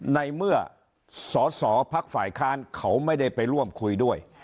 ในเมื่อสอสอพักฝ่ายค้านเขาไม่ได้ไปร่วมคุยด้วย